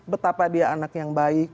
betapa dia anak yang baik